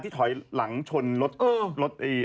ที่ถอยหลังชนรถรถอะไรนะ